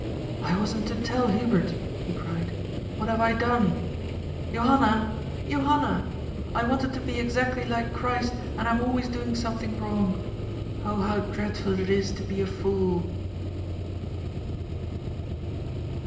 " I wasn't to tell Hubert !" he cried. " What have I done? Johanna ! Johanna ! I wanted to be exactly like Christ, and I am always doing something wrong ! Oh how dreadful it is to be a fool